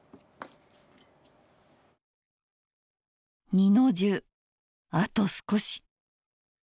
二の重あと少し！